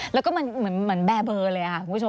แล้วก็มันเหมือนแบร์เบอร์เลยค่ะคุณผู้ชม